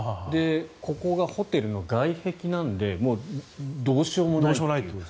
ここがホテルの外壁なんでどうしようもないという。